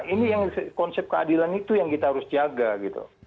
ini yang konsep keadilan itu yang kita harus jaga gitu